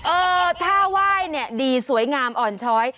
เออถ้าไหว้เนี่ยดีสวยงามอ่อนช้อย